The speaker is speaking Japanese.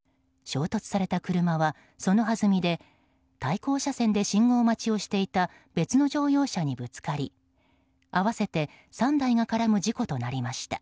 衝突された車は、そのはずみで対向車線で信号待ちをしていた別の乗用車にぶつかり合わせて３台が絡む事故となりました。